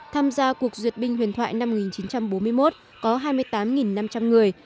tham gia cuộc duyệt binh huyền thoại năm một nghìn chín trăm bốn mươi một có hai mươi tám năm trăm linh người